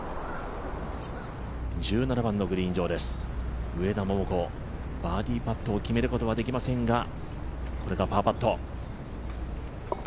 １７番のグリーン上です、上田桃子バーディーパットを決めることはできませんが、これがパーパット。